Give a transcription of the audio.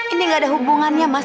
ini gak ada hubungannya mas